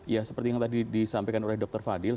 ya seperti yang tadi disampaikan oleh dr fadil